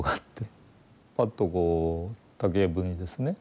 パッとこう竹やぶにですね